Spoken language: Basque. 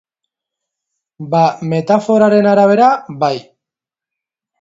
Ba, metaforaren arabera, bai.